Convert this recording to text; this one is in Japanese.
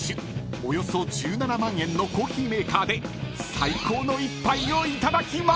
およそ１７万円のコーヒーメーカーで最高の一杯をいただきます］